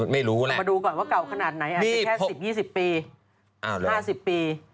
ไม่รู้มาดูก่อนว่าเก่าขนาดไหนอายุแค่๑๐๒๐ปี๕๐ปี